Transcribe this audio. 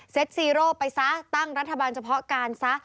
ซีโร่ไปซะตั้งรัฐบาลเฉพาะการซะ